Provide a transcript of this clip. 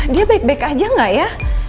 dia baik baik aja gak ya